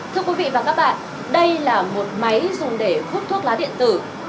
thưa quý vị và các bạn đây là một máy dùng để hút thuốc lá điện tử